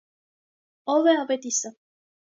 ո՞վ է Ավետիսը: